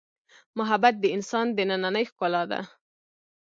محبت د انسان دنننۍ ښکلا ده.